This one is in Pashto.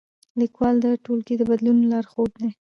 لیکوال د ټولنې د بدلونونو لارښود دی.